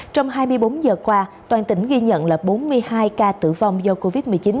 trong hai mươi bốn giờ qua toàn tỉnh ghi nhận là bốn mươi hai ca tử vong do covid một mươi chín